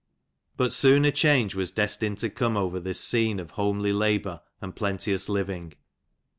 But soon a change was destined to come over this scene of homely labour and plenteous living.